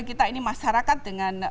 kita ini masyarakat dengan